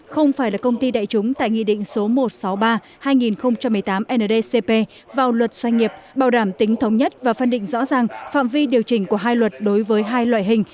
không phải là công ty đại chúng tại nghị định số một trăm sáu mươi ba hai nghìn một mươi tám ndcp vào luật doanh nghiệp bảo đảm tính thống nhất và phân định rõ ràng phạm vi điều chỉnh của hai luật đối với hai loại hình